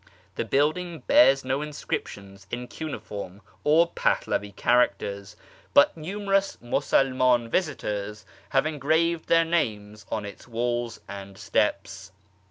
The building bears no inscriptions in cuneiform or Pahlavi characters, but numerous Musulman visitors have engraved their names on its walls and steps.